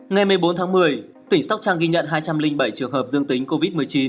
ngày một mươi bốn tháng một mươi tỉnh sóc trăng ghi nhận hai trăm linh bảy trường hợp dương tính covid một mươi chín